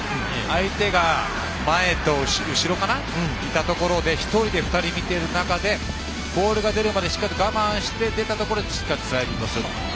相手が前と後ろにいたところで１人で２人見ている中でボールが出るまでしっかり我慢して出たところでしっかりスライディングする。